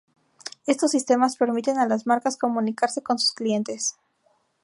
Estos sistemas permiten a las marcas comunicarse con sus clientes.